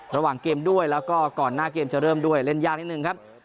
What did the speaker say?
ระหว่างเกมด้วยแล้วก็ก่อนหน้าเกมจะเริ่มด้วยเล่นยากนิดนึงครับ